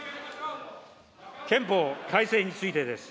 憲法改正についてです。